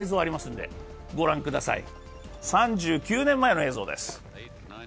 ここから映像がありますので御覧ください、３９年前の映像です。